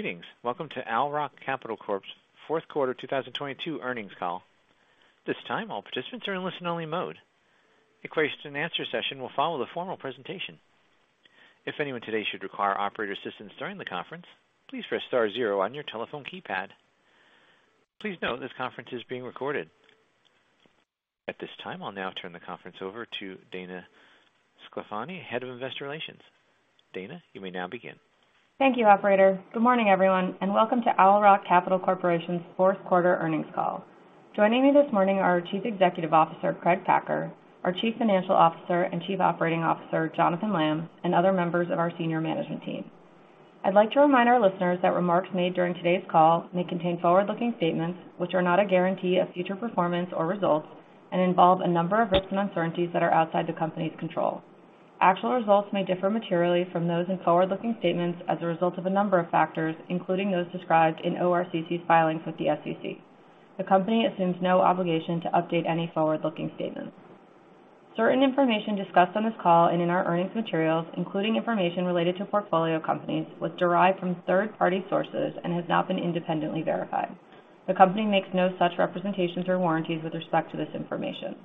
Greetings. Welcome to Owl Rock Capital Corp.'s fourth quarter 2022 earnings call. This time, all participants are in listen-only mode. A question and answer session will follow the formal presentation. If anyone today should require operator assistance during the conference, please press star zero on your telephone keypad. Please note this conference is being recorded. At this time, I'll now turn the conference over to Dana Sclafani, Head of Investor Relations. Dana, you may now begin. Thank you, operator. Good morning, everyone, and welcome to Owl Rock Capital Corporation's fourth quarter earnings call. Joining me this morning are our Chief Executive Officer, Craig Packer, our Chief Financial Officer and Chief Operating Officer, Jonathan Lamm, and other members of our senior management team. I'd like to remind our listeners that remarks made during today's call may contain forward-looking statements which are not a guarantee of future performance or results and involve a number of risks and uncertainties that are outside the company's control. Actual results may differ materially from those in forward-looking statements as a result of a number of factors, including those described in ORCC's filings with the SEC. The company assumes no obligation to update any forward-looking statements. Certain information discussed on this call and in our earnings materials, including information related to portfolio companies, was derived from third-party sources and has not been independently verified. The company makes no such representations or warranties with respect to this information.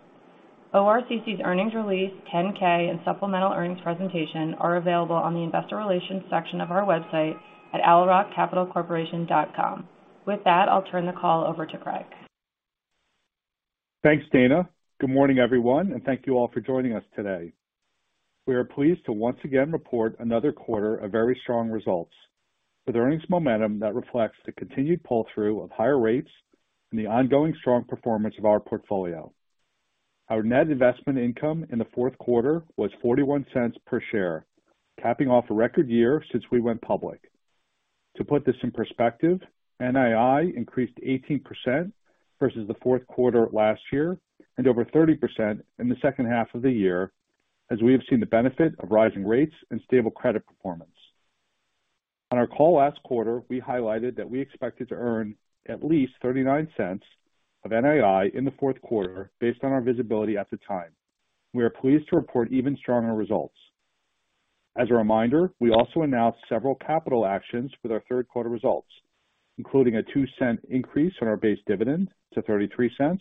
ORCC's earnings release, 10-K, and supplemental earnings presentation are available on the investor relations section of our website at owlrockcapitalcorporation.com. With that, I'll turn the call over to Craig. Thanks, Dana. Good morning, everyone, thank you all for joining us today. We are pleased to once again report another quarter of very strong results with earnings momentum that reflects the continued pull-through of higher rates and the ongoing strong performance of our portfolio. Our Net Investment Income in the fourth quarter was $0.41 per share, capping off a record year since we went public. To put this in perspective, NII increased 18% versus the fourth quarter last year and over 30% in the second half of the year as we have seen the benefit of rising rates and stable credit performance. On our call last quarter, we highlighted that we expected to earn at least $0.39 of NII in the fourth quarter based on our visibility at the time. We are pleased to report even stronger results. As a reminder, we also announced several capital actions with our third quarter results, including a $0.02 increase on our base dividend to $0.33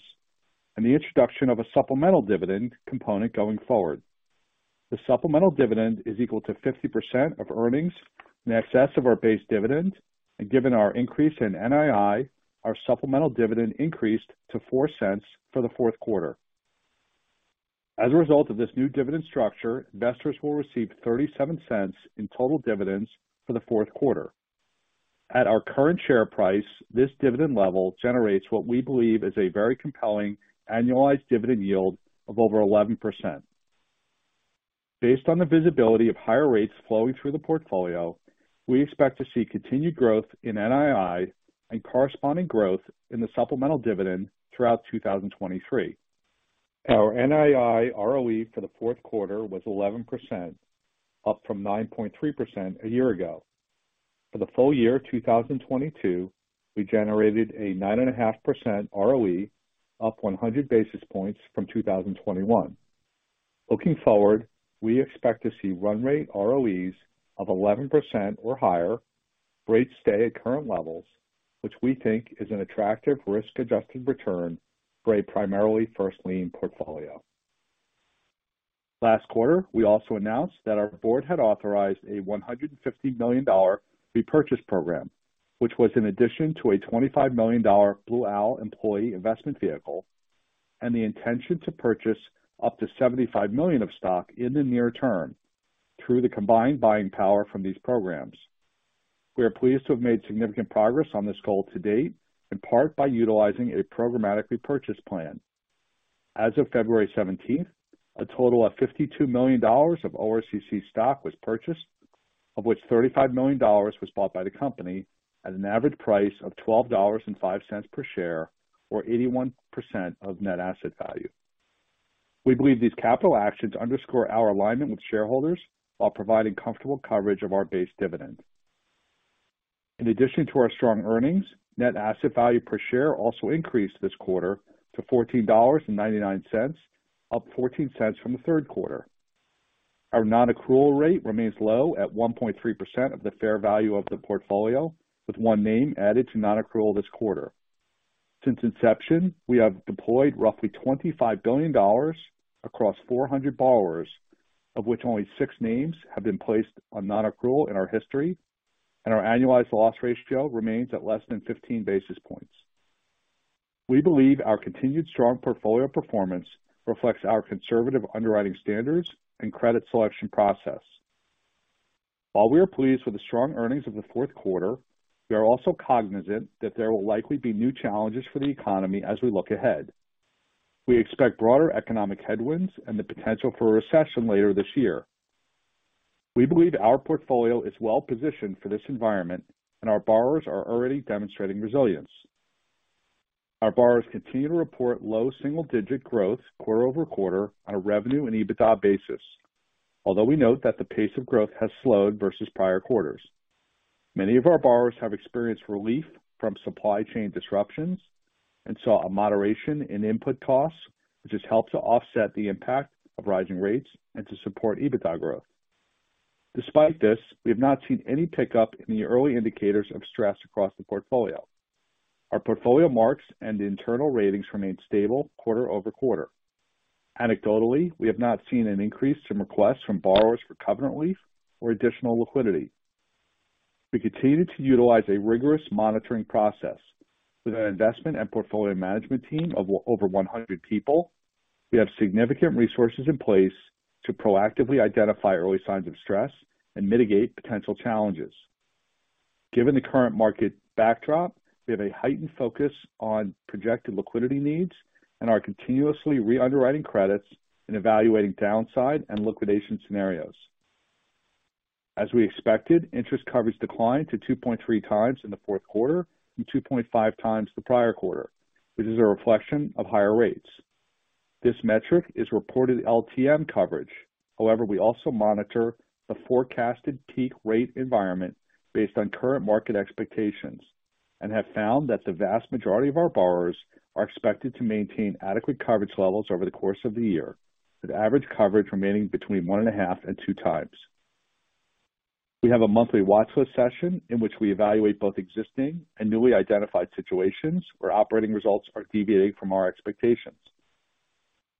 and the introduction of a supplemental dividend component going forward. The supplemental dividend is equal to 50% of earnings in excess of our base dividend. Given our increase in NII, our supplemental dividend increased to $0.04 for the fourth quarter. As a result of this new dividend structure, investors will receive $0.37 in total dividends for the fourth quarter. At our current share price, this dividend level generates what we believe is a very compelling annualized dividend yield of over 11%. Based on the visibility of higher rates flowing through the portfolio, we expect to see continued growth in NII and corresponding growth in the supplemental dividend throughout 2023. Our NII ROE for the fourth quarter was 11%, up from 9.3% a year ago. For the full year 2022, we generated a 9.5% ROE, up 100 basis points from 2021. Looking forward, we expect to see run rate ROEs of 11% or higher if rates stay at current levels, which we think is an attractive risk-adjusted return for a primarily first lien portfolio. Last quarter, we also announced that our board had authorized a $150 million repurchase program, which was in addition to a $25 million Blue Owl employee investment vehicle and the intention to purchase up to $75 million of stock in the near term through the combined buying power from these programs. We are pleased to have made significant progress on this goal to date, in part by utilizing a programmatic repurchase plan. As of February 17th, a total of $52 million of ORCC stock was purchased, of which $35 million was bought by the company at an average price of $12.05 per share or 81% of net asset value. We believe these capital actions underscore our alignment with shareholders while providing comfortable coverage of our base dividend. In addition to our strong earnings, net asset value per share also increased this quarter to $14.99, up $0.14 from the third quarter. Our non-accrual rate remains low at 1.3% of the fair value of the portfolio, with one name added to non-accrual this quarter. Since inception, we have deployed roughly $25 billion across 400 borrowers, of which only six names have been placed on non-accrual in our history. Our annualized loss ratio remains at less than 15 basis points. We believe our continued strong portfolio performance reflects our conservative underwriting standards and credit selection process. While we are pleased with the strong earnings of the fourth quarter, we are also cognizant that there will likely be new challenges for the economy as we look ahead. We expect broader economic headwinds and the potential for a recession later this year. We believe our portfolio is well positioned for this environment. Our borrowers are already demonstrating resilience. Our borrowers continue to report low single-digit growth quarter-over-quarter on a revenue and EBITDA basis. Although we note that the pace of growth has slowed versus prior quarters. Many of our borrowers have experienced relief from supply chain disruptions. Saw a moderation in input costs, which has helped to offset the impact of rising rates and to support EBITDA growth. Despite this, we have not seen any pickup in the early indicators of stress across the portfolio. Our portfolio marks and internal ratings remain stable quarter-over-quarter. Anecdotally, we have not seen an increase in requests from borrowers for covenant relief or additional liquidity. We continue to utilize a rigorous monitoring process with an investment and portfolio management team of over 100 people. We have significant resources in place to proactively identify early signs of stress and mitigate potential challenges. Given the current market backdrop, we have a heightened focus on projected liquidity needs and are continuously re-underwriting credits and evaluating downside and liquidation scenarios. As we expected, interest coverage declined to 2.3x in the fourth quarter from 2.5x the prior quarter. This is a reflection of higher rates. This metric is reported LTM coverage. We also monitor the forecasted peak rate environment based on current market expectations and have found that the vast majority of our borrowers are expected to maintain adequate coverage levels over the course of the year, with average coverage remaining between 1.5x and 2x. We have a monthly watch list session in which we evaluate both existing and newly identified situations where operating results are deviating from our expectations.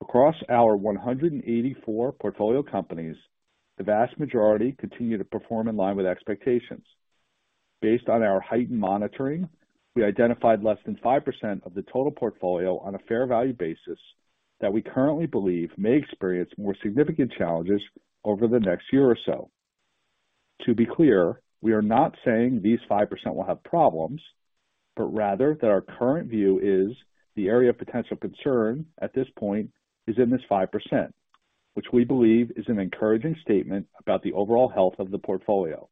Across our 184 portfolio companies, the vast majority continue to perform in line with expectations. Based on our heightened monitoring, we identified less than 5% of the total portfolio on a fair value basis that we currently believe may experience more significant challenges over the next year or so. To be clear, we are not saying these 5% will have problems, but rather that our current view is the area of potential concern at this point is in this 5%, which we believe is an encouraging statement about the overall health of the portfolio.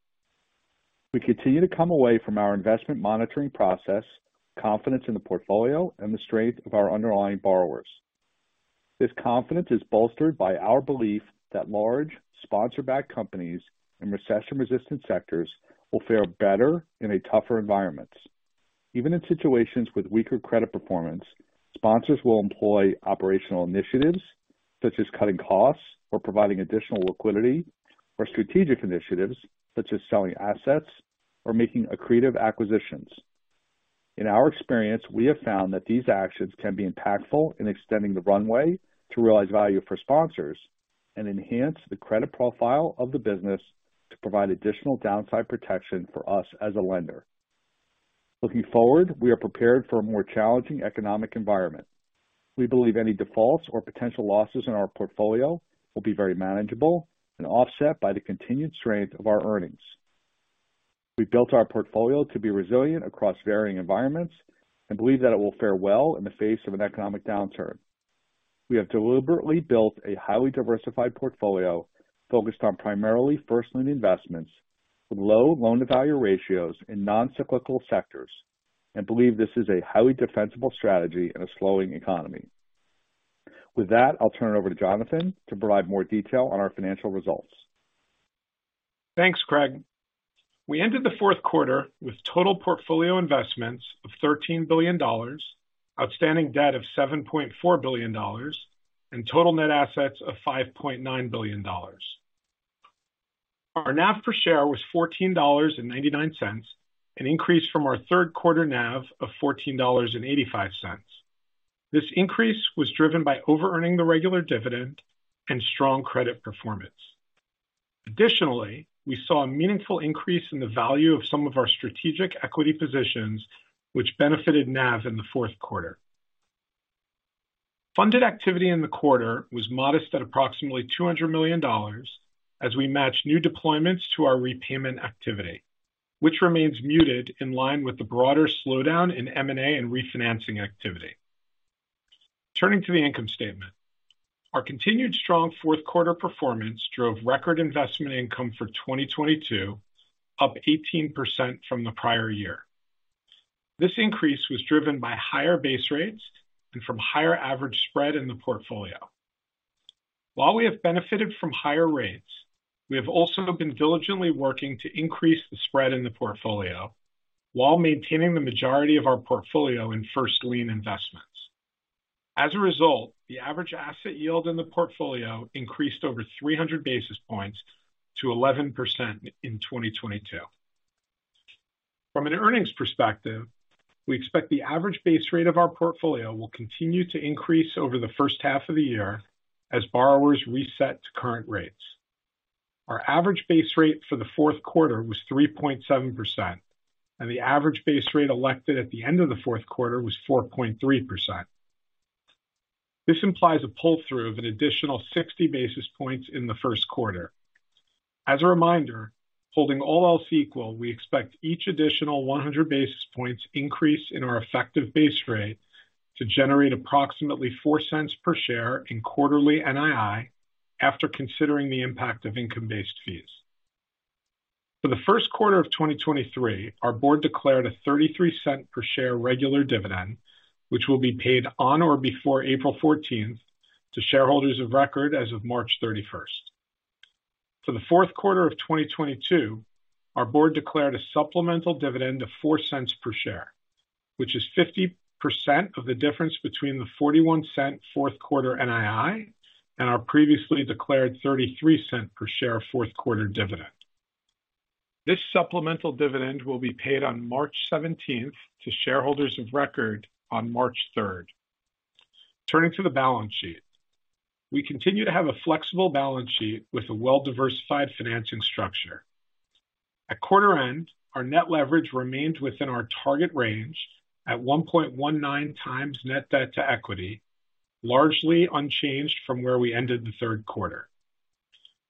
We continue to come away from our investment monitoring process, confidence in the portfolio and the strength of our underlying borrowers. This confidence is bolstered by our belief that large sponsor-backed companies in recession-resistant sectors will fare better in a tougher environment. Even in situations with weaker credit performance, sponsors will employ operational initiatives such as cutting costs or providing additional liquidity, or strategic initiatives such as selling assets or making accretive acquisitions. In our experience, we have found that these actions can be impactful in extending the runway to realize value for sponsors and enhance the credit profile of the business to provide additional downside protection for us as a lender. Looking forward, we are prepared for a more challenging economic environment. We believe any defaults or potential losses in our portfolio will be very manageable and offset by the continued strength of our earnings. We built our portfolio to be resilient across varying environments and believe that it will fare well in the face of an economic downturn. We have deliberately built a highly diversified portfolio focused on primarily first lien investments with low loan-to-value ratios in non-cyclical sectors and believe this is a highly defensible strategy in a slowing economy. With that, I'll turn it over to Jonathan to provide more detail on our financial results. Thanks, Craig. We ended the fourth quarter with total portfolio investments of $13 billion, outstanding debt of $7.4 billion, and total net assets of $5.9 billion. Our NAV per share was $14.99, an increase from our third quarter NAV of $14.85. This increase was driven by overearning the regular dividend and strong credit performance. Additionally, we saw a meaningful increase in the value of some of our strategic equity positions, which benefited NAV in the fourth quarter. Funded activity in the quarter was modest at approximately $200 million as we match new deployments to our repayment activity, which remains muted in line with the broader slowdown in M&A and refinancing activity. Turning to the income statement. Our continued strong fourth quarter performance drove record investment income for 2022, up 18% from the prior year. This increase was driven by higher base rates and from higher average spread in the portfolio. While we have benefited from higher rates, we have also been diligently working to increase the spread in the portfolio while maintaining the majority of our portfolio in first lien investments. As a result, the average asset yield in the portfolio increased over 300 basis points to 11% in 2022. From an earnings perspective, we expect the average base rate of our portfolio will continue to increase over the first half of the year as borrowers reset to current rates. Our average base rate for the fourth quarter was 3.7%, and the average base rate elected at the end of the fourth quarter was 4.3%. This implies a pull through of an additional 60 basis points in the first quarter. As a reminder, holding all else equal, we expect each additional 100 basis points increase in our effective base rate to generate approximately $0.04 per share in quarterly NII after considering the impact of income-based fees. For the first quarter of 2023, our board declared a $0.33 per share regular dividend, which will be paid on or before April 14th to shareholders of record as of March 31st. For the fourth quarter of 2022, our board declared a supplemental dividend of $0.04 per share, which is 50% of the difference between the $0.41 fourth quarter NII and our previously declared $0.33 per share fourth quarter dividend. This supplemental dividend will be paid on March 17th to shareholders of record on March 3rd. Turning to the balance sheet. We continue to have a flexible balance sheet with a well-diversified financing structure. At quarter end, our net leverage remained within our target range at 1.19x net debt to equity, largely unchanged from where we ended the third quarter.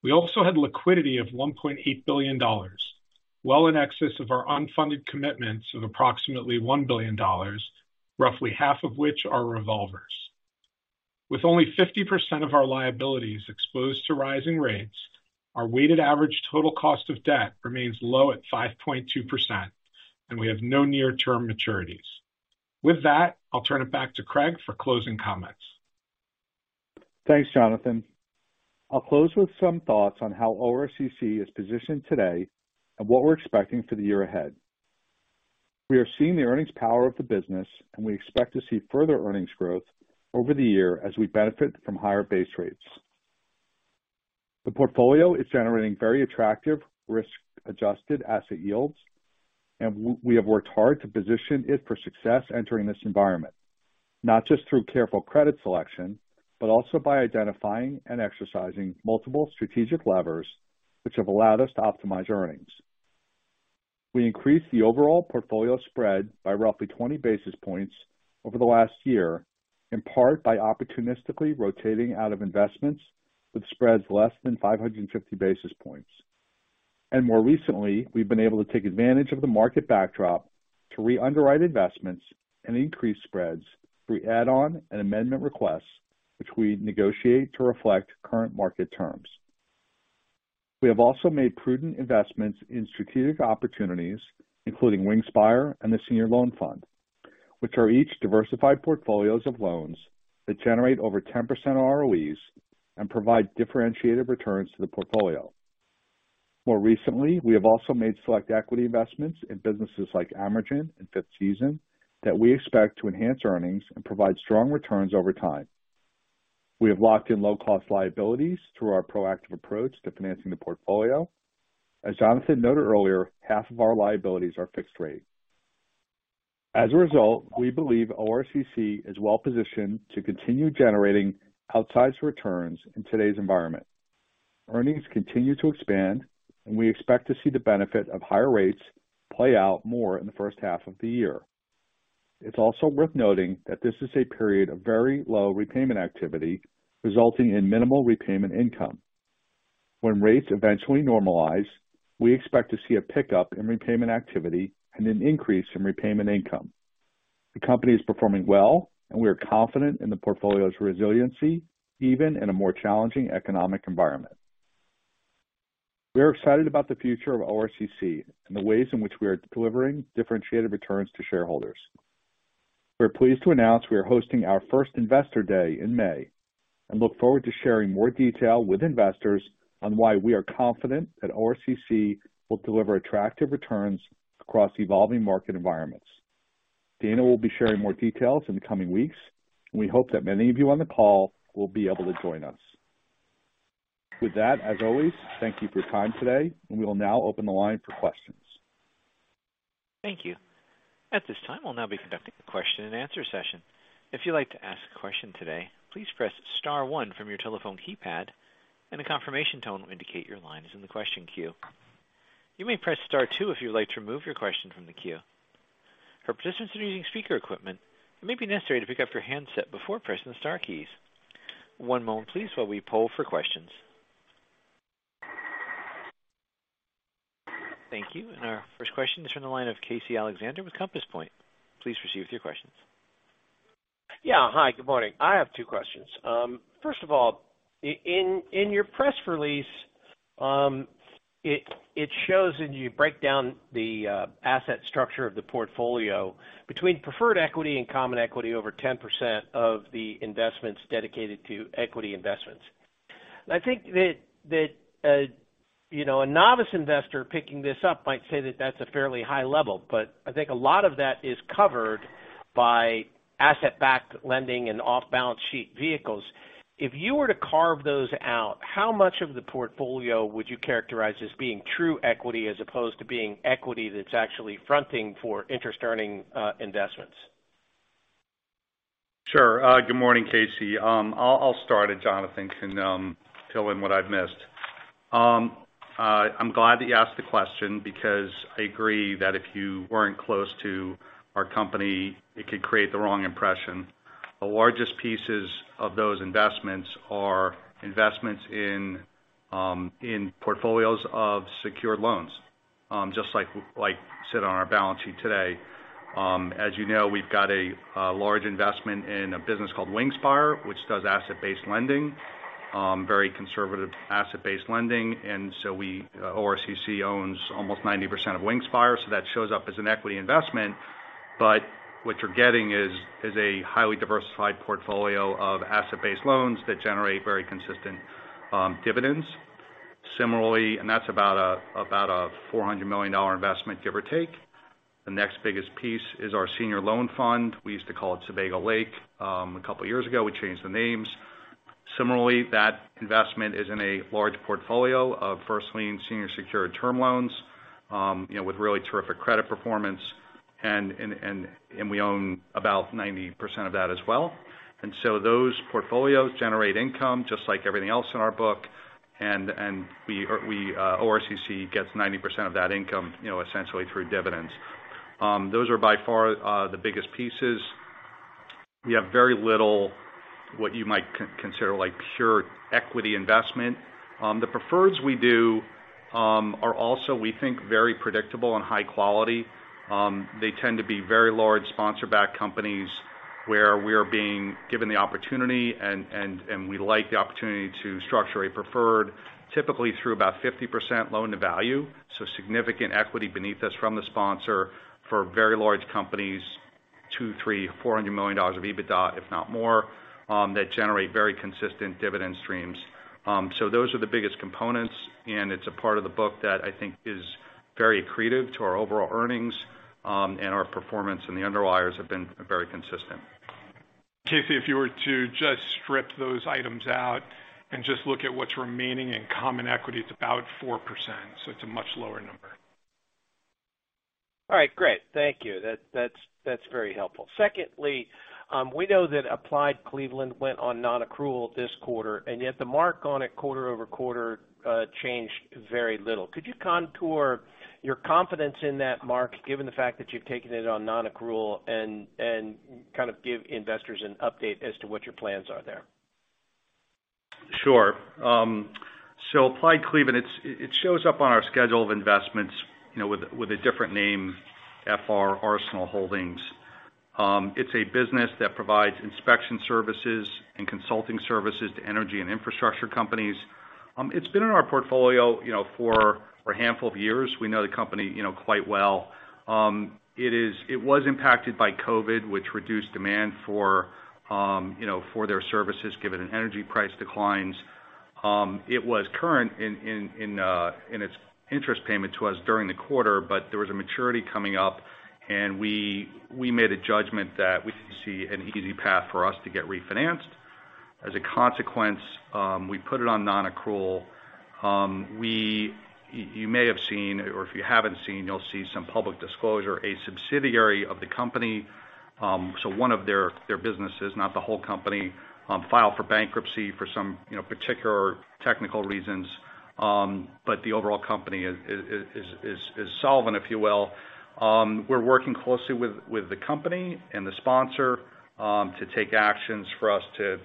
We also had liquidity of $1.8 billion, well in excess of our unfunded commitments of approximately $1 billion, roughly half of which are revolvers. With only 50% of our liabilities exposed to rising rates, our weighted average total cost of debt remains low at 5.2%, and we have no near term maturities. With that, I'll turn it back to Craig for closing comments. Thanks, Jonathan. I'll close with some thoughts on how ORCC is positioned today and what we're expecting for the year ahead. We are seeing the earnings power of the business, and we expect to see further earnings growth over the year as we benefit from higher base rates. The portfolio is generating very attractive risk-adjusted asset yields, and we have worked hard to position it for success entering this environment. Not just through careful credit selection, but also by identifying and exercising multiple strategic levers which have allowed us to optimize earnings. We increased the overall portfolio spread by roughly 20 basis points over the last year, in part by opportunistically rotating out of investments with spreads less than 550 basis points. More recently, we've been able to take advantage of the market backdrop to re-underwrite investments and increase spreads through add-on and amendment requests, which we negotiate to reflect current market terms. We have also made prudent investments in strategic opportunities, including Wingspire Capital and the Senior Loan Fund, which are each diversified portfolios of loans that generate over 10% ROEs and provide differentiated returns to the portfolio. More recently, we have also made select equity investments in businesses like Amgen and Fifth Season that we expect to enhance earnings and provide strong returns over time. We have locked in low cost liabilities through our proactive approach to financing the portfolio. As Jonathan noted earlier, half of our liabilities are fixed rate. As a result, we believe ORCC is well-positioned to continue generating outsized returns in today's environment. Earnings continue to expand. We expect to see the benefit of higher rates play out more in the first half of the year. It's also worth noting that this is a period of very low repayment activity, resulting in minimal repayment income. When rates eventually normalize, we expect to see a pickup in repayment activity and an increase in repayment income. The company is performing well, and we are confident in the portfolio's resiliency, even in a more challenging economic environment. We are excited about the future of ORCC and the ways in which we are delivering differentiated returns to shareholders. We're pleased to announce we are hosting our first Investor Day in May and look forward to sharing more detail with investors on why we are confident that ORCC will deliver attractive returns across evolving market environments. Dana will be sharing more details in the coming weeks. We hope that many of you on the call will be able to join us. With that, as always, thank you for your time today, and we will now open the line for questions. Thank you. At this time, we'll now be conducting a question and answer session. If you'd like to ask a question today, please press star one from your telephone keypad and a confirmation tone will indicate your line is in the question queue. You may press star two if you would like to remove your question from the queue. For participants that are using speaker equipment, it may be necessary to pick up your handset before pressing the star keys. One moment please while we poll for questions. Thank you. Our first question is from the line of Casey Alexander with Compass Point. Please proceed with your questions. Yeah. Hi, good morning. I have two questions. First of all, in your press release, it shows when you break down the asset structure of the portfolio between preferred equity and common equity, over 10% of the investment's dedicated to equity investments. I think that, you know, a novice investor picking this up might say that that's a fairly high level, but I think a lot of that is covered by asset-backed lending and off-balance sheet vehicles. If you were to carve those out, how much of the portfolio would you characterize as being true equity as opposed to being equity that's actually fronting for interest earning, investments? Sure. Good morning, Casey. I'll start, and Jonathan can fill in what I've missed. I'm glad that you asked the question because I agree that if you weren't close to our company, it could create the wrong impression. The largest pieces of those investments are investments in portfolios of secured loans. just like sit on our balance sheet today. As you know, we've got a large investment in a business called Wingspire Capital, which does asset-based lending, very conservative asset-based lending. ORCC owns almost 90% of Wingspire Capital, so that shows up as an equity investment. What you're getting is a highly diversified portfolio of asset-based loans that generate very consistent dividends. That's about a $400 million investment, give or take. The next biggest piece is our Senior Loan Fund. We used to call it Sebago Lake, a couple of years ago, we changed the names. Similarly, that investment is in a large portfolio of first lien senior secured term loans, you know, with really terrific credit performance. We own about 90% of that as well. Those portfolios generate income just like everything else in our book. We, ORCC gets 90% of that income, you know, essentially through dividends. Those are by far the biggest pieces. We have very little what you might consider like pure equity investment. On the preferreds we do are also, we think, very predictable and high quality. They tend to be very large sponsor-backed companies where we are being given the opportunity and we like the opportunity to structure a preferred, typically through about 50% loan to value. Significant equity beneath us from the sponsor for very large companies, $200 million-$400 million of EBITDA, if not more, that generate very consistent dividend streams. Those are the biggest components, and it's a part of the book that I think is very accretive to our overall earnings, and our performance, and the underwriters have been very consistent. Casey, if you were to just strip those items out and just look at what's remaining in common equity, it's about 4%. It's a much lower number. All right. Great. Thank you. That's very helpful. Secondly, we know that Applied Cleveland went on non-accrual this quarter, and yet the mark on it quarter-over-quarter changed very little. Could you contour your confidence in that mark, given the fact that you've taken it on non-accrual and kind of give investors an update as to what your plans are there? Sure. Applied Cleveland, it shows up on our schedule of investments, you know, with a different name, FR Arsenal Holdings. It's a business that provides inspection services and consulting services to energy and infrastructure companies. It's been in our portfolio, you know, for a handful of years. We know the company, you know, quite well. It was impacted by COVID, which reduced demand for, you know, for their services, given an energy price declines. It was current in its interest payment to us during the quarter, there was a maturity coming up, and we made a judgment that we didn't see an easy path for us to get refinanced. As a consequence, we put it on non-accrual. You may have seen or if you haven't seen, you'll see some public disclosure, a subsidiary of the company, so one of their businesses, not the whole company, file for bankruptcy for some, you know, particular technical reasons. The overall company is solvent, if you will. We're working closely with the company and the sponsor, to take actions for us to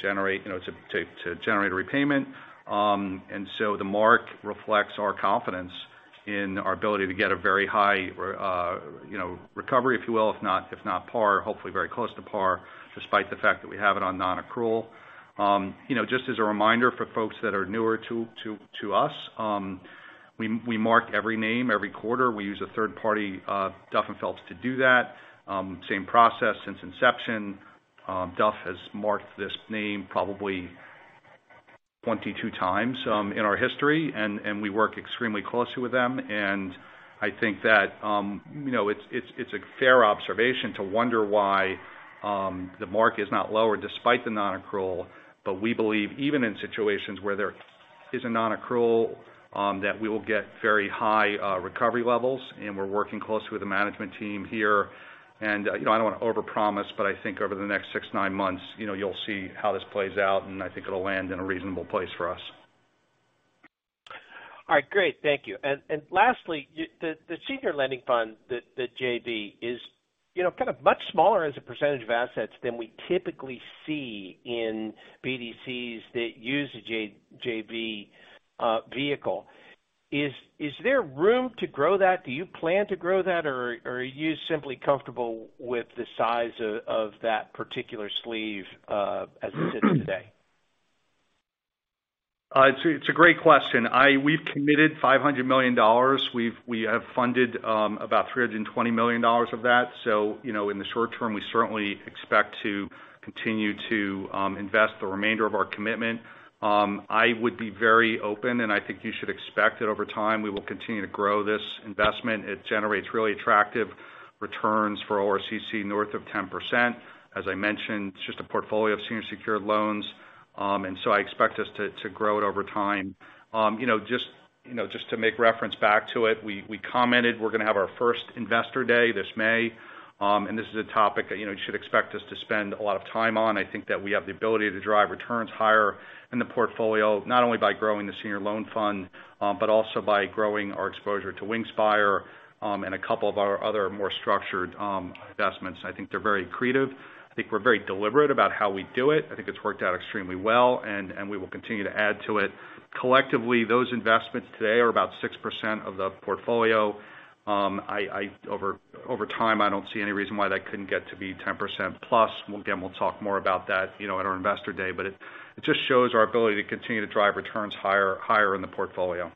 generate, you know, to generate a repayment. The mark reflects our confidence in our ability to get a very high, you know, recovery, if you will, if not, if not par, hopefully very close to par, despite the fact that we have it on non-accrual. You know, just as a reminder for folks that are newer to us, we mark every name every quarter. We use a third party, Duff & Phelps to do that. Same process since inception. Duff has marked this name probably 22x in our history, and we work extremely closely with them. I think that, you know, it's a fair observation to wonder why the mark is not lower despite the non-accrual. We believe even in situations where there is a non-accrual, that we will get very high recovery levels. We're working closely with the management team here. you know, I don't wanna overpromise, but I think over the next six, nine months, you know, you'll see how this plays out, and I think it'll land in a reasonable place for us. All right. Great. Thank you. Lastly, the Senior Lending Fund, the JV is, you know, kind of much smaller as a percentage of assets than we typically see in BDCs that use a JV vehicle. Is there room to grow that? Do you plan to grow that, or are you simply comfortable with the size of that particular sleeve as it sits today? It's a great question. We've committed $500 million. We have funded about $320 million of that. You know, in the short term, we certainly expect to continue to invest the remainder of our commitment. I would be very open, and I think you should expect that over time, we will continue to grow this investment. It generates really attractive returns for ORCC north of 10%. As I mentioned, it's just a portfolio of senior secured loans. I expect us to grow it over time. You know, just, you know, just to make reference back to it, we commented we're gonna have our first investor day this May, and this is a topic that, you know, you should expect us to spend a lot of time on. I think that we have the ability to drive returns higher in the portfolio, not only by growing the Senior Loan Fund, but also by growing our exposure to Wingspire Capital, and a couple of our other more structured investments. I think they're very accretive. I think we're very deliberate about how we do it. I think it's worked out extremely well, and we will continue to add to it. Collectively, those investments today are about 6% of the portfolio. Over, over time, I don't see any reason why that couldn't get to be 10% plus. Again, we'll talk more about that, you know, at our investor day. It just shows our ability to continue to drive returns higher in the portfolio.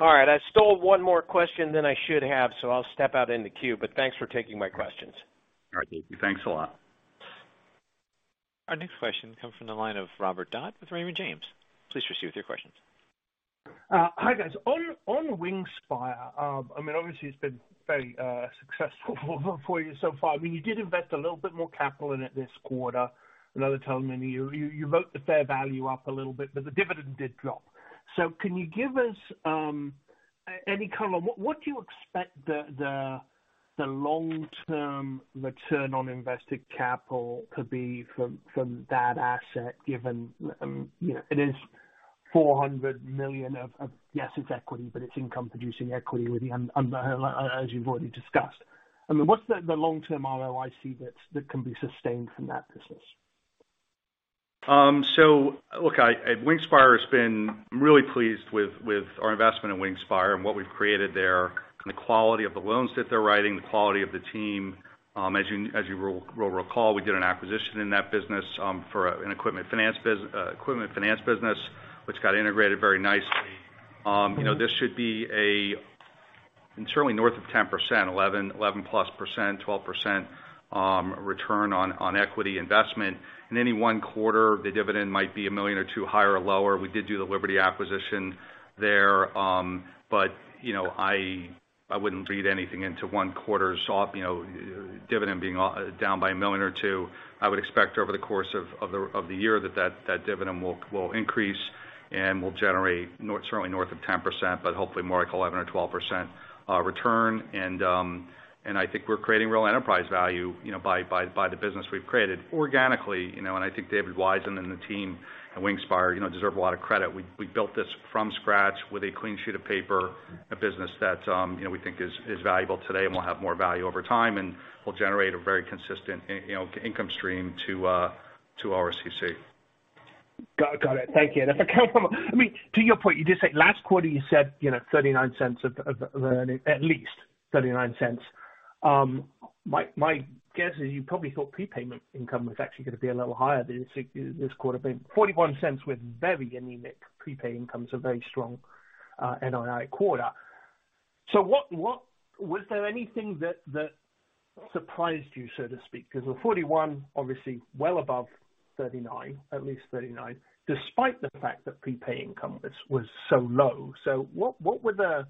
All right. I still had one more question than I should have, so I'll step out in the queue. Thanks for taking my questions. All right, Casey. Thanks a lot. Our next question comes from the line of Robert Dodd with Raymond James. Please proceed with your questions. Hi, guys. On Wingspire Capital, I mean, obviously it's been very successful for you so far. I mean, you did invest a little bit more capital in it this quarter. Another time, I mean, you wrote the fair value up a little bit, but the dividend did drop. Can you give us any color? What do you expect the long-term return on invested capital to be from that asset, given, you know, it is $400 million of, yes, it's equity, but it's income producing equity with the as you've already discussed. I mean, what's the long-term ROIC that can be sustained from that business? Look, Wingspire Capital has been really pleased with our investment in Wingspire Capital and what we've created there, and the quality of the loans that they're writing, the quality of the team. As you will recall, we did an acquisition in that business for an equipment finance business, which got integrated very nicely. You know, this should be a certainly north of 10%, 11%, 11%+, 12% return on equity investment. In any one quarter, the dividend might be $1 million or $2 million higher or lower. We did do the Liberty acquisition there. You know, I wouldn't read anything into one quarter's, you know, dividend being down by $1 million or $2 million. I would expect over the course of the year that dividend will increase and will generate certainly north of 10%, but hopefully more like 11% or 12% return. I think we're creating real enterprise value, you know, by the business we've created organically, you know. I think David Wisen and the team at Wingspire Capital, you know, deserve a lot of credit. We built this from scratch with a clean sheet of paper, a business that, you know, we think is valuable today and will have more value over time. We'll generate a very consistent, you know, income stream to ORCC. Got it. Thank you. If I can follow up I mean, to your point, you did say last quarter, you said, you know, $0.39 of earning, at least $0.39. My guess is you probably thought prepayment income was actually gonna be a little higher this quarter, but $0.41 with very anemic prepay income is a very strong NII quarter. Was there anything that surprised you, so to speak? 'Cause the $0.41 obviously well above $0.39, at least $0.39, despite the fact that prepay income was so low. What were the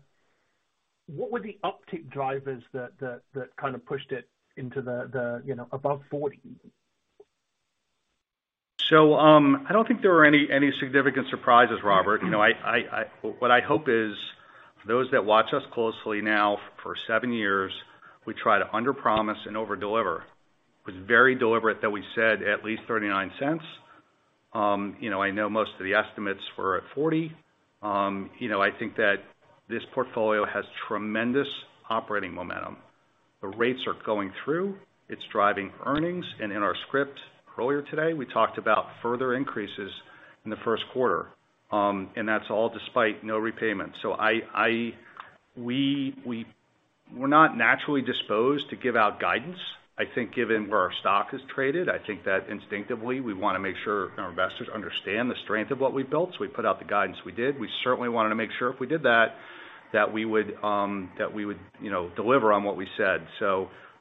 uptick drivers that kind of pushed it into the, you know, above $0.40? I don't think there were any significant surprises, Robert. You know, what I hope is those that watch us closely now for seven years, we try to underpromise and overdeliver. It was very deliberate that we said at least $0.39. You know, I know most of the estimates were at $0.40. You know, I think that this portfolio has tremendous operating momentum. The rates are going through, it's driving earnings, and in our script earlier today, we talked about further increases in the first quarter. That's all despite no repayment. We're not naturally disposed to give out guidance. I think given where our stock has traded, I think that instinctively we wanna make sure our investors understand the strength of what we built. We put out the guidance we did. We certainly wanted to make sure if we did that we would, you know, deliver on what we said.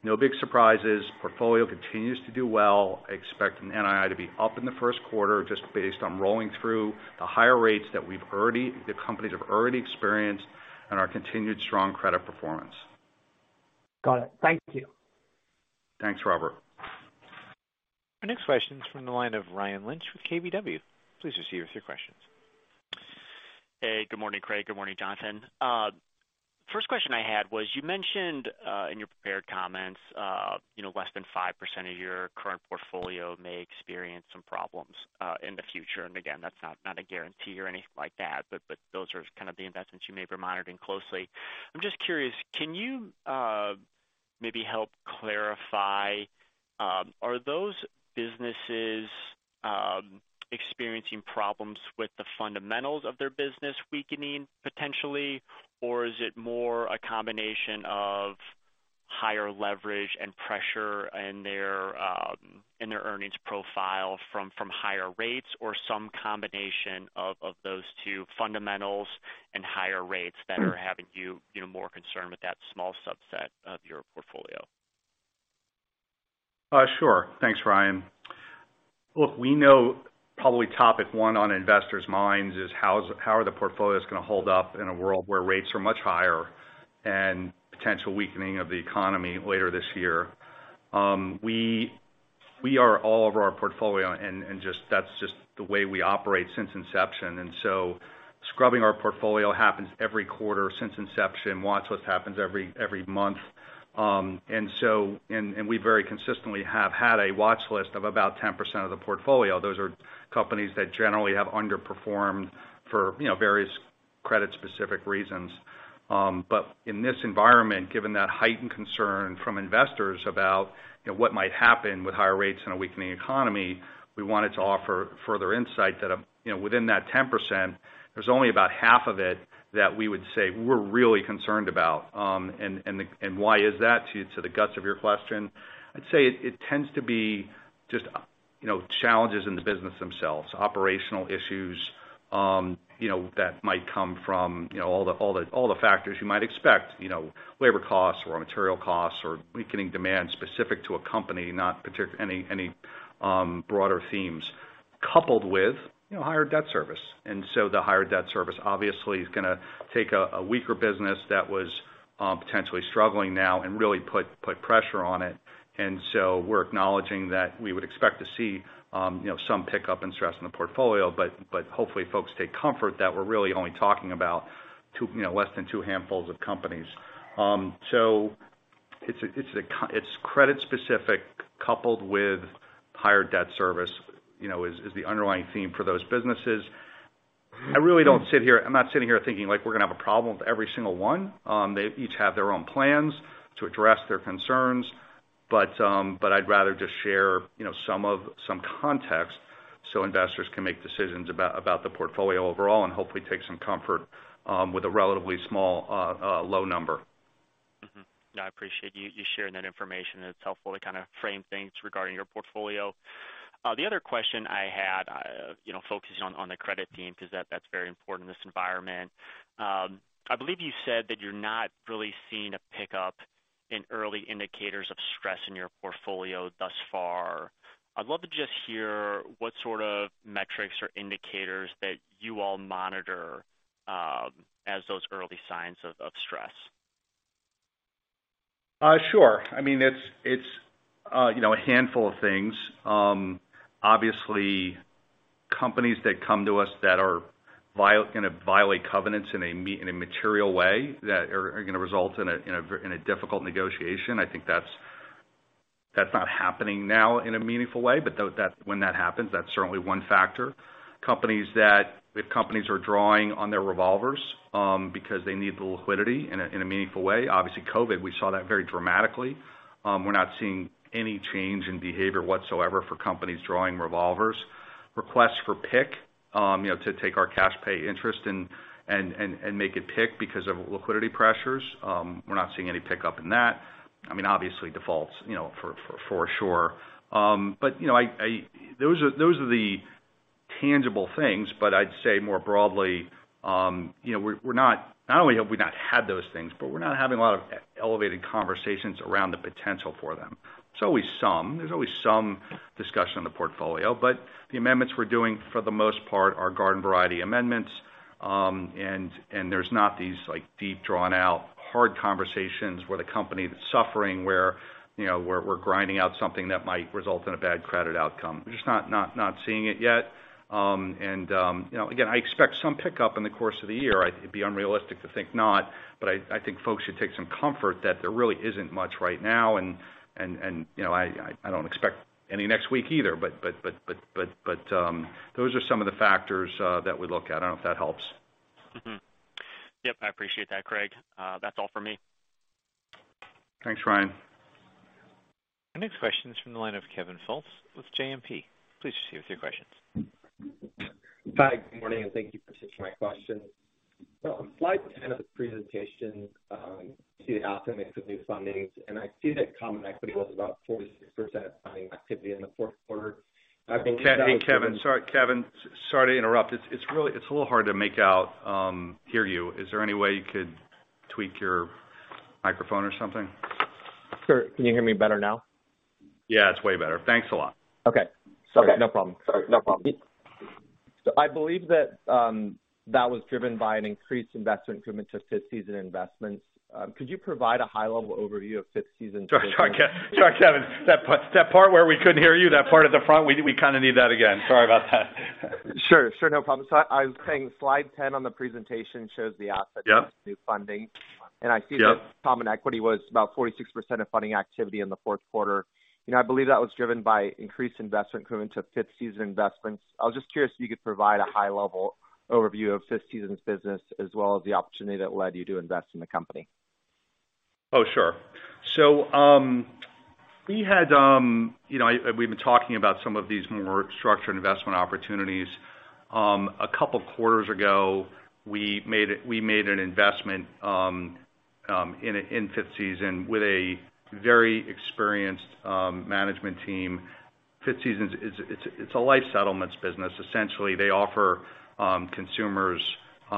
No big surprises. Portfolio continues to do well. Expecting NII to be up in the first quarter just based on rolling through the higher rates the companies have already experienced and our continued strong credit performance. Got it. Thank you. Thanks, Robert. Our next question is from the line of Ryan Lynch with KBW. Please proceed with your questions. Hey, good morning, Craig. Good morning, Jonathan. First question I had was you mentioned, in your prepared comments, you know, less than 5% of your current portfolio may experience some problems in the future. Again, that's not a guarantee or anything like that, but those are kind of the investments you may be monitoring closely. I'm just curious, can you maybe help clarify, are those businesses experiencing problems with the fundamentals of their business weakening potentially, or is it more a combination of higher leverage and pressure in their earnings profile from higher rates or some combination of those two fundamentals and higher rates that are having you know, more concerned with that small subset of your portfolio? Sure. Thanks, Ryan. We know probably topic one on investors' minds is how are the portfolios going to hold up in a world where rates are much higher and potential weakening of the economy later this year? We are all over our portfolio and just, that's just the way we operate since inception. Scrubbing our portfolio happens every quarter since inception. Watch list happens every month. We very consistently have had a watch list of about 10% of the portfolio. Those are companies that generally have underperformed for, you know, various credit specific reasons. In this environment, given that heightened concern from investors about, you know, what might happen with higher rates in a weakening economy, we wanted to offer further insight that, you know, within that 10%, there's only about half of it that we would say we're really concerned about. Why is that? To the guts of your question, I'd say it tends to be challenges in the business themselves, operational issues, you know, that might come from, you know, all the factors you might expect, you know, labor costs or material costs or weakening demand specific to a company, not any broader themes coupled with, you know, higher debt service. The higher debt service obviously is gonna take a weaker business that was, potentially struggling now and really put pressure on it. We're acknowledging that we would expect to see, you know, some pickup and stress in the portfolio. Hopefully folks take comfort that we're really only talking about two, you know, less than two handfuls of companies. So it's credit specific coupled with higher debt service, you know, is the underlying theme for those businesses. I'm not sitting here thinking like we're gonna have a problem with every single one. They each have their own plans to address their concerns. I'd rather just share, you know, some of, some context so investors can make decisions about the portfolio overall and hopefully take some comfort, with a relatively small, low number. No, I appreciate you sharing that information. It's helpful to kind of frame things regarding your portfolio. The other question I had, you know, focusing on the credit team, 'cause that's very important in this environment. I believe you said that you're not really seeing a pickup in early indicators of stress in your portfolio thus far. I'd love to just hear what sort of metrics or indicators that you all monitor, as those early signs of stress. Sure. I mean, it's, you know, a handful of things. Obviously, companies that come to us that are gonna violate covenants in a material way that are gonna result in a difficult negotiation. I think that's not happening now in a meaningful way. When that happens, that's certainly one factor. If companies are drawing on their revolvers, because they need the liquidity in a meaningful way. Obviously, COVID, we saw that very dramatically. We're not seeing any change in behavior whatsoever for companies drawing revolvers. Requests for PIK, you know, to take our cash pay interest and make it PIK because of liquidity pressures, we're not seeing any pickup in that. I mean, obviously defaults, you know, for sure. You know, those are the tangible things. I'd say more broadly, you know, we're not only have we not had those things, but we're not having a lot of elevated conversations around the potential for them. There's always some. There's always some discussion on the portfolio. The amendments we're doing, for the most part, are garden variety amendments. There's not these like, deep, drawn out, hard conversations where the company that's suffering, where, you know, we're grinding out something that might result in a bad credit outcome. We're just not seeing it yet. You know, again, I expect some pickup in the course of the year. It'd be unrealistic to think not. I think folks should take some comfort that there really isn't much right now. I don't expect any next week either. Those are some of the factors that we look at. I don't know if that helps. Yep, I appreciate that, Craig. That's all for me. Thanks, Ryan. Our next question is from the line of Kevin Fultz with JMP. Please proceed with your questions. Hi, good morning, and thank you for taking my question. On slide 10 of the presentation, I see the outcome of new fundings, and I see that common equity was about 46% of funding activity in the fourth quarter. Hey, Kevin. Sorry, Kevin. Sorry to interrupt. It's really a little hard to make out, hear you. Is there any way you could tweak your microphone or something? Sure. Can you hear me better now? Yeah, it's way better. Thanks a lot. Okay. Sorry. No problem. Sorry, no problem. I believe that that was driven by an increased investment commitment to Fifth Season Investments. Could you provide a high level overview of Fifth Season's? Sorry, Kevin. That part where we couldn't hear you, that part at the front, we kind of need that again. Sorry about that. Sure. Sure, no problem. I was saying slide 10 on the presentation shows the assets of new funding. I see common equity was about 46% of funding activity in the fourth quarter. You know, I believe that was driven by increased investment commitment to Fifth Season Investments. I was just curious if you could provide a high-level overview of Fifth Season's business as well as the opportunity that led you to invest in the company. Oh, sure. We had, you know, we've been talking about some of these more structured investment opportunities. A couple quarters ago, we made an investment in Fifth Season with a very experienced management team. Fifth Season is, it's a life settlements business. Essentially, they offer consumers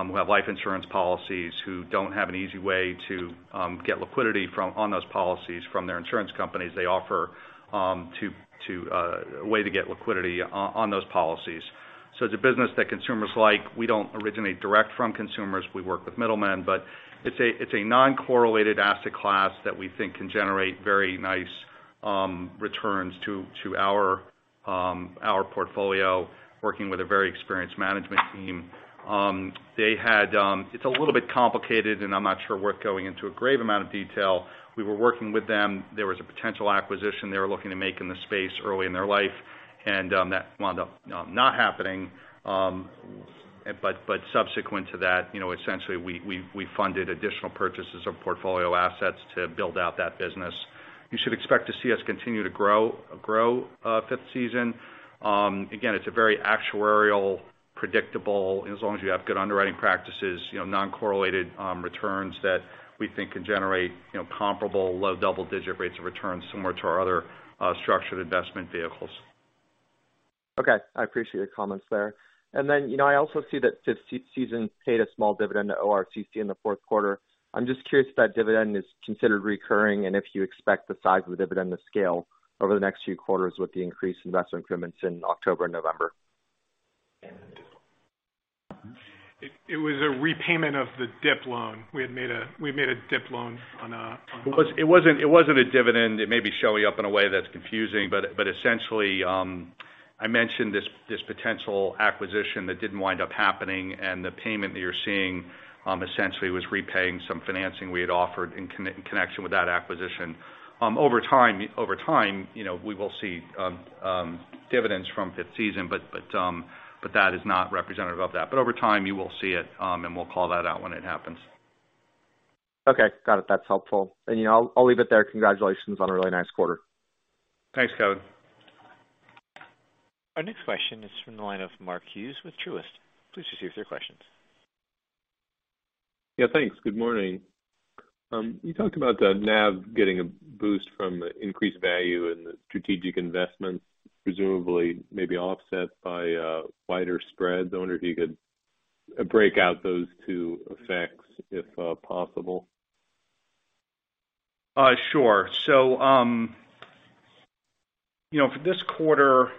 who have life insurance policies, who don't have an easy way to get liquidity from, on those policies from their insurance companies. They offer a way to get liquidity on those policies. It's a business that consumers like. We don't originate direct from consumers. We work with middlemen, but it's a non-correlated asset class that we think can generate very nice returns to our portfolio, working with a very experienced management team. They had, It's a little bit complicated, and I'm not sure worth going into a great amount of detail. We were working with them. There was a potential acquisition they were looking to make in the space early in their life, and that wound up not happening. Subsequent to that, you know, essentially, we funded additional purchases of portfolio assets to build out that business. You should expect to see us continue to grow Fifth Season. Again, it's a very actuarial, predictable, as long as you have good underwriting practices, you know, non-correlated returns that we think can generate, you know, comparable low double-digit rates of return similar to our other structured investment vehicles. Okay. I appreciate your comments there. You know, I also see that Fifth Season paid a small dividend to ORCC in the fourth quarter. I'm just curious if that dividend is considered recurring and if you expect the size of the dividend to scale over the next few quarters with the increased investment increments in October and November. It was a repayment of the DIP loan. We had made a DIP loan on. It was, it wasn't, it wasn't a dividend. It may be showing up in a way that's confusing, but essentially, I mentioned this potential acquisition that didn't wind up happening, and the payment that you're seeing, essentially was repaying some financing we had offered in connection with that acquisition. Over time, you know, we will see dividends from Fifth Season, but that is not representative of that. Over time, you will see it, and we'll call that out when it happens. Okay. Got it. That's helpful. You know, I'll leave it there. Congratulations on a really nice quarter. Thanks, Kevin. Our next question is from the line of Mark Hughes with Truist. Please proceed with your questions. Thanks. Good morning. You talked about the NAV getting a boost from increased value in the strategic investments, presumably maybe offset by wider spreads. I wonder if you could break out those two effects if possible? Sure. You know, for this quarter,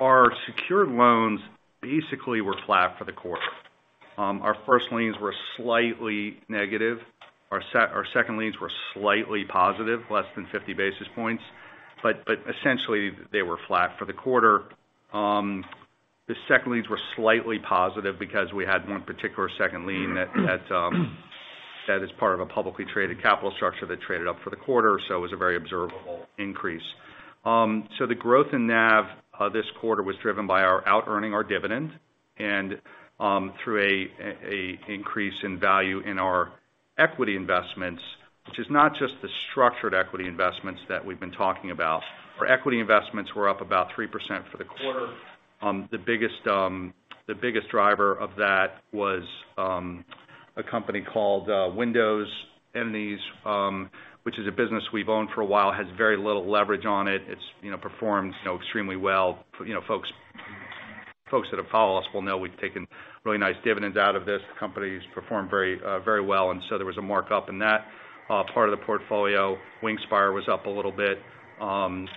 our secured loans basically were flat for the quarter. Our first liens were slightly negative. Our second liens were slightly positive, less than 50 basis points. Essentially they were flat for the quarter. The second liens were slightly positive because we had one particular second lien that is part of a publicly traded capital structure that traded up for the quarter. It was a very observable increase. The growth in NAV this quarter was driven by our outearning our dividend and through a increase in value in our equity investments, which is not just the structured equity investments that we've been talking about. Our equity investments were up about 3% for the quarter. The biggest driver of that was a company called Windows Entities, which is a business we've owned for a while, has very little leverage on it. It's, you know, performed extremely well. You know, folks that have followed us will know we've taken really nice dividends out of this. The company's performed very well, there was a markup in that part of the portfolio. Wingspire Capital was up a little bit.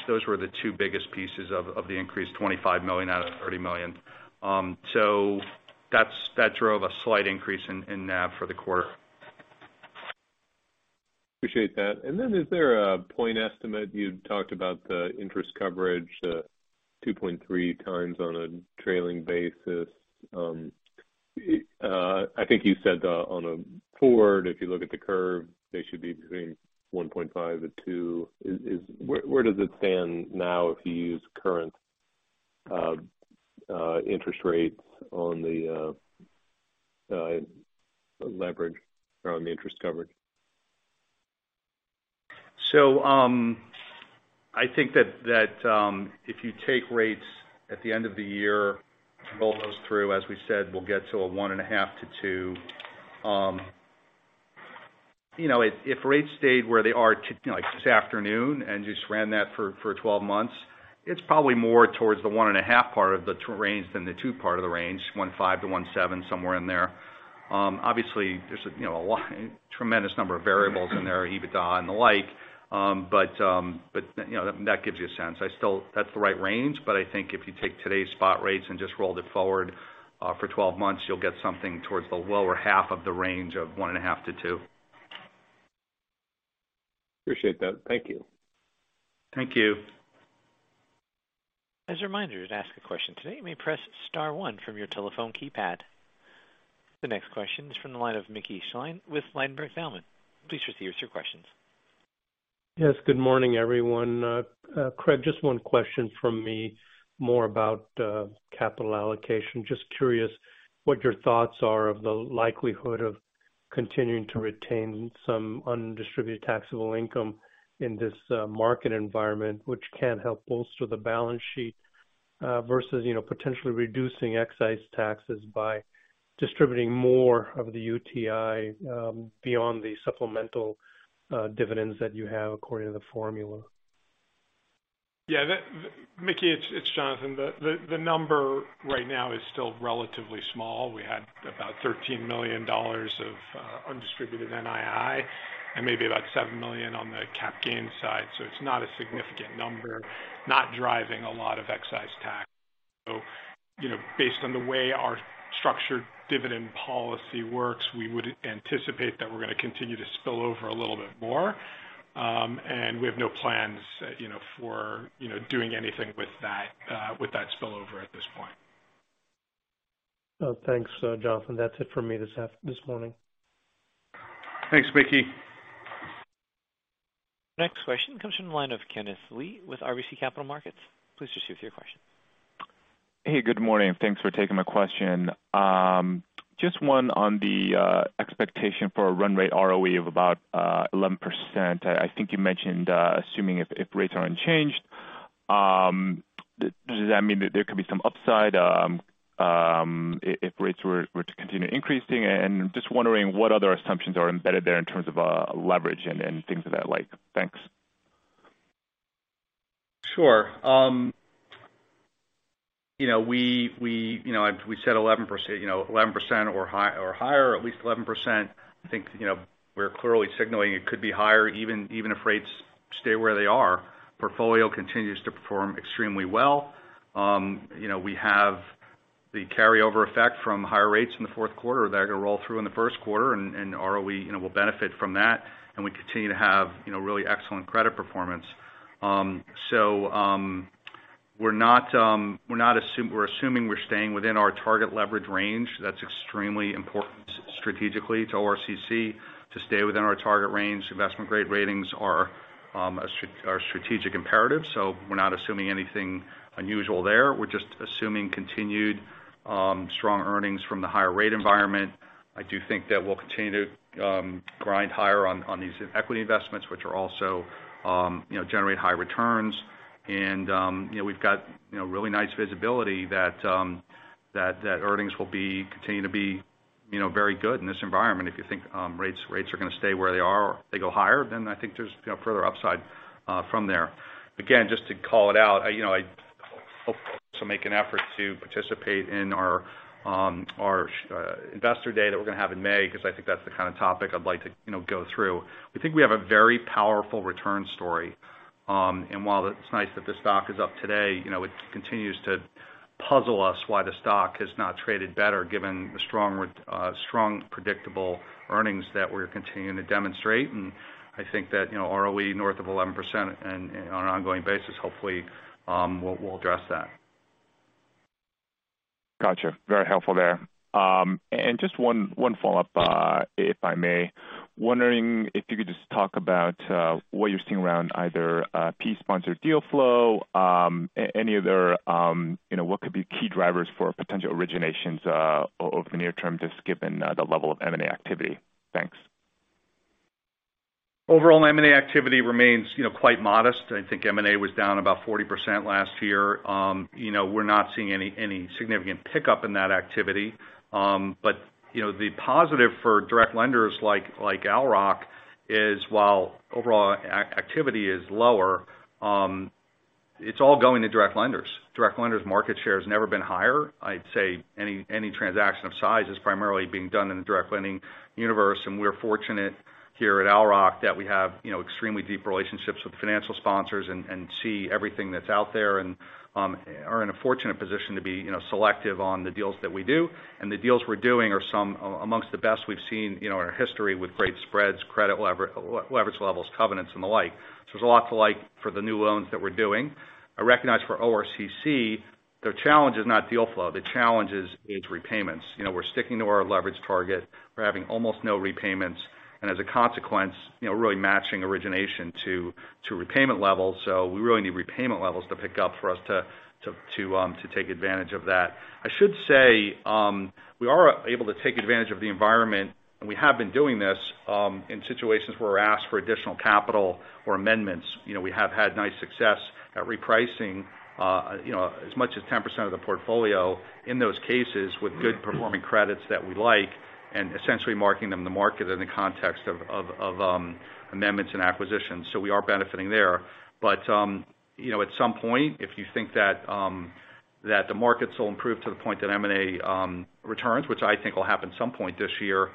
Those were the two biggest pieces of the increased $25 million out of $30 million. That's, that drove a slight increase in NAV for the quarter. Appreciate that. Is there a point estimate? You talked about the interest coverage, 2.3x on a trailing basis. I think you said, on a forward, if you look at the curve, they should be between 1.5% and 2%. Where does it stand now if you use current interest rates on the leverage around the interest coverage? I think that, if you take rates at the end of the year, roll those through, as we said, we'll get to a 1.5%-2%. You know, if rates stayed where they are to, you know, like this afternoon and just ran that for 12 months, it's probably more towards the 1.5% part of the range than the 2% part of the range, 1.5%-1.7%, somewhere in there. Obviously there's, you know, a tremendous number of variables in there, EBITDA and the like. But, you know, that gives you a sense. That's the right range, but I think if you take today's spot rates and just rolled it forward, for 12 months, you'll get something towards the lower half of the range of 1.5%-2%. Appreciate that. Thank you. Thank you. As a reminder, to ask a question today, you may press star one from your telephone keypad. The next question is from the line of Mickey Schleien with Ladenburg Thalmann. Please proceed with your questions. Yes, good morning, everyone. Craig, just one question from me more about capital allocation. Just curious what your thoughts are of the likelihood of continuing to retain some undistributed taxable income in this market environment, which can help bolster the balance sheet versus, you know, potentially reducing excise taxes by distributing more of the UTI beyond the supplemental dividends that you have according to the formula. Yeah, Mickey, it's Jonathan. The number right now is still relatively small. We had about $13 million of undistributed NII and maybe about $7 million on the cap gain side. It's not a significant number, not driving a lot of excise tax. You know, based on the way our structured dividend policy works, we're gonna continue to spill over a little bit more. We have no plans, you know, for, you know, doing anything with that, with that spillover at this point. Oh, thanks, Jonathan. That's it for me this morning. Thanks, Mickey. Next question comes from the line of Kenneth Lee with RBC Capital Markets. Please proceed with your question. Hey, good morning. Thanks for taking my question. Just one on the expectation for a run rate ROE of about 11%. I think you mentioned assuming if rates are unchanged, does that mean that there could be some upside? If rates were to continue increasing. Just wondering what other assumptions are embedded there in terms of leverage and things of that like? Thanks. Sure. We said 11%, 11% or higher, at least 11%. I think we're clearly signaling it could be higher, even if rates stay where they are. Portfolio continues to perform extremely well. We have the carryover effect from higher rates in the fourth quarter that are gonna roll through in the first quarter, ROE will benefit from that. We continue to have really excellent credit performance. We're not we're assuming we're staying within our target leverage range. That's extremely important strategically to ORCC to stay within our target range. Investment grade ratings are strategic imperatives, so we're not assuming anything unusual there. We're just assuming continued strong earnings from the higher rate environment. I do think that we'll continue to grind higher on these equity investments, which are also, you know, generate high returns. We've got, you know, really nice visibility that earnings will continue to be, you know, very good in this environment. If you think rates are gonna stay where they are or if they go higher, then I think there's, you know, further upside from there. Again, just to call it out, you know, I hope to make an effort to participate in our investor day that we're gonna have in May, 'cause I think that's the kind of topic I'd like to, you know, go through. We think we have a very powerful return story. While it's nice that the stock is up today, you know, it continues to puzzle us why the stock has not traded better given the strong, predictable earnings that we're continuing to demonstrate. I think that, you know, ROE north of 11% and on an ongoing basis, hopefully, we'll address that. Gotcha. Very helpful there. Just one follow-up, if I may. Wondering if you could just talk about what you're seeing around either P-sponsored deal flow, any other, you know, what could be key drivers for potential originations over the near term, just given the level of M&A activity. Thanks. Overall M&A activity remains, you know, quite modest. I think M&A was down about 40% last year. You know, we're not seeing any significant pickup in that activity. You know, the positive for direct lenders like Owl Rock is, while overall activity is lower, it's all going to direct lenders. Direct lenders market share has never been higher. I'd say any transaction of size is primarily being done in the direct lending universe. We're fortunate here at Owl Rock that we have, you know, extremely deep relationships with financial sponsors and see everything that's out there and are in a fortunate position to be, you know, selective on the deals that we do. The deals we're doing are some amongst the best we've seen, you know, in our history with great spreads, credit leverage levels, covenants and the like. There's a lot to like for the new loans that we're doing. I recognize for ORCC, their challenge is not deal flow. The challenge is repayments. You know, we're sticking to our leverage target. We're having almost no repayments. As a consequence, you know, really matching origination to repayment levels. We really need repayment levels to pick up for us to take advantage of that. I should say, we are able to take advantage of the environment, and we have been doing this in situations where we're asked for additional capital or amendments. You know, we have had nice success at repricing, you know, as much as 10% of the portfolio in those cases with good performing credits that we like and essentially marking them to market in the context of amendments and acquisitions. We are benefiting there. You know, at some point, if you think that the markets will improve to the point that M&A returns, which I think will happen at some point this year,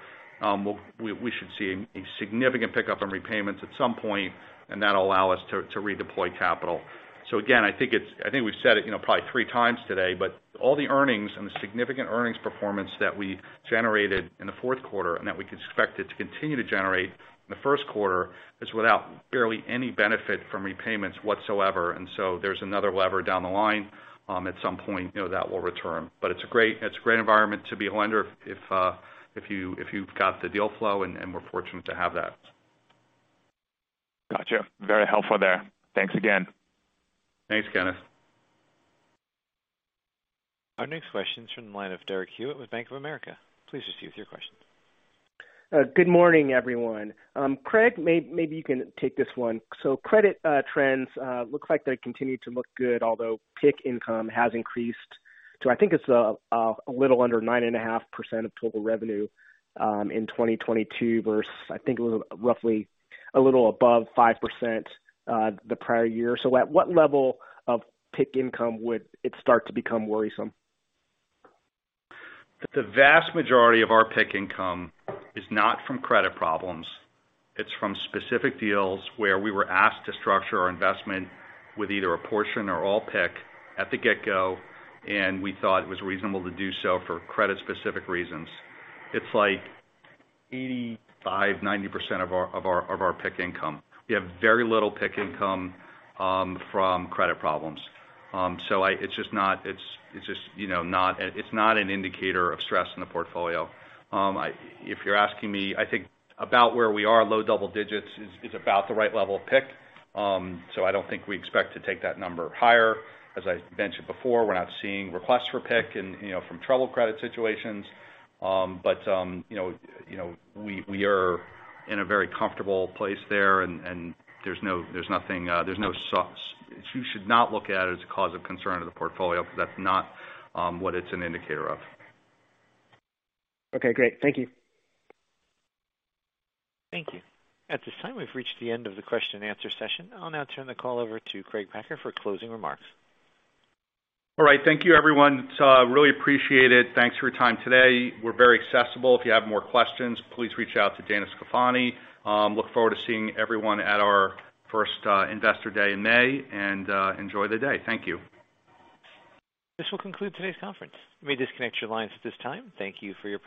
we should see a significant pickup in repayments at some point, and that'll allow us to redeploy capital. Again, I think we've said it, you know, probably 3x today, but all the earnings and the significant earnings performance that we generated in the fourth quarter and that we could expect it to continue to generate in the first quarter is without barely any benefit from repayments whatsoever. There's another lever down the line, at some point, you know, that will return. It's a great environment to be a lender if you've got the deal flow and we're fortunate to have that. Gotcha. Very helpful there. Thanks again. Thanks, Kenneth. Our next question is from the line of Derek Hewett with Bank of America. Please proceed with your question. Good morning, everyone. Craig, maybe you can take this one. Credit trends looks like they continue to look good, although PIK income has increased to, I think it's a little under 9.5% of total revenue in 2022 versus, I think it was roughly a little above 5% the prior year. At what level of PIK income would it start to become worrisome? The vast majority of our PIK income is not from credit problems. It's from specific deals where we were asked to structure our investment with either a portion or all PIK at the get-go, and we thought it was reasonable to do so for credit-specific reasons. It's like 85%-90% of our PIK income. We have very little PIK income from credit problems. It's just not, it's just, you know, it's not an indicator of stress in the portfolio. If you're asking me, I think about where we are, low double digits is about the right level of PIK. I don't think we expect to take that number higher. As I mentioned before, we're not seeing requests for PIK and, you know, from trouble credit situations. You know, we are in a very comfortable place there and there's no, there's nothing, you should not look at it as a cause of concern to the portfolio, 'cause that's not, what it's an indicator of. Okay, great. Thank you. Thank you. At this time, we've reached the end of the question and answer session. I'll now turn the call over to Craig Packer for closing remarks. All right. Thank you, everyone. It's really appreciated. Thanks for your time today. We're very accessible. If you have more questions, please reach out to Dana Sclafani. Look forward to seeing everyone at our first investor day in May. Enjoy the day. Thank you. This will conclude today's conference. You may disconnect your lines at this time. Thank you for your participation.